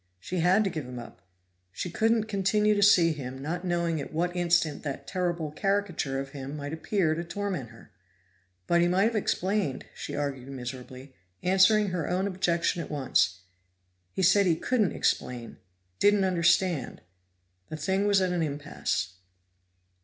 She had to give him up; she couldn't continue to see him not knowing at what instant that terrible caricature of him might appear to torment her. But he might have explained, she argued miserably, answering her own objection at once he's said he couldn't explain, didn't understand. The thing was at an impasse.